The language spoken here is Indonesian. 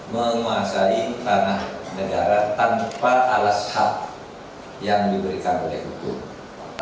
menguasai tanah negara tanpa alas hak yang diberikan oleh hukum